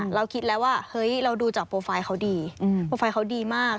เราคิดแล้วว่าเฮ้ยเราดูจากโปรไฟล์เขาดีโปรไฟล์เขาดีมาก